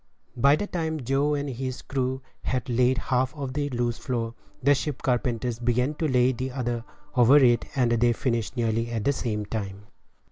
By the time Joe and his crew had laid half of the loose floor, the ship carpenters began to lay the other one over it, and they finished nearly at the same time.